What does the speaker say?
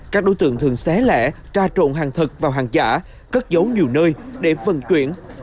các đối tượng thường xé lẻ tra trộn hàng thật vào hàng giả cất dấu nhiều nơi để vận chuyển